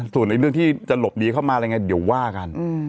ส่วนเรื่องที่จะหลบหนีเข้ามาอะไรไงเดี๋ยวว่ากัน